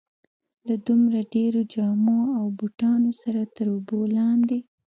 له دومره ډېرو جامو او بوټانو سره تر اوبو لاندې.